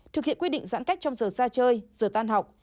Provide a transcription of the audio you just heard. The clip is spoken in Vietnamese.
thực hiện quy định giãn cách trong giờ xa chơi giờ tan học